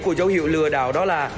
của dấu hiệu lừa đảo đó là